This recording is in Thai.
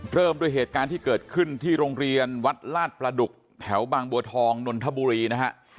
เริ่มด้วยเหตุการณ์ที่เกิดขึ้นที่โรงเรียนวัดลาดประดุกแถวบางบัวทองนนทบุรีนะฮะ